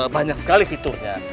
banyak sekali fiturnya